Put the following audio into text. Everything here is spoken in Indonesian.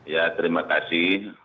ya terima kasih